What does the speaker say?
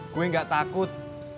gue gak takut